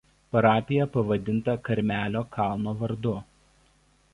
Parapija pavadinta Karmelio kalno vardu.